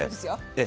ええ。